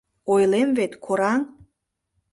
— Ойлем вет, кораҥ!